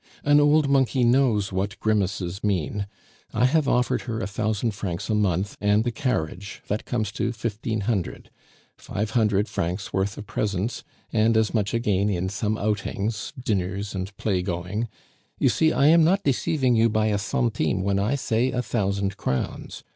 "An old monkey knows what grimaces mean: I have offered her a thousand francs a month and a carriage that comes to fifteen hundred; five hundred francs' worth of presents, and as much again in some outings, dinners and play going; you see, I am not deceiving you by a centime when I say a thousand crowns.